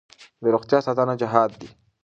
د روغتیا ساتنه جهاد دی.